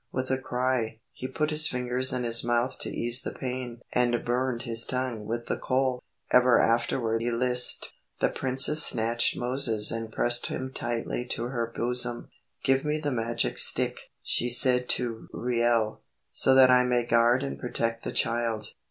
With a cry, he put his fingers in his mouth to ease the pain and burned his tongue with the coal. Ever afterward he lisped. The princess snatched Moses and pressed him tightly to her bosom. "Give me the magic stick," she said to Reuel, "so that I may guard and protect the child."